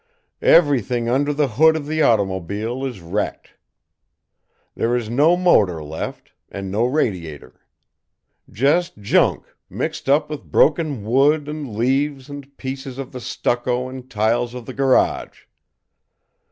"Everything under the hood of the automobile is wrecked. There is no motor left, and no radiator. Just junk, mixed up with broken wood and leaves and pieces of the stucco and tiles of the garage."